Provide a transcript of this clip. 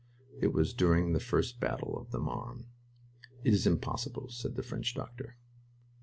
It was during the first battle of the Marne. "It is impossible!" said the French doctor....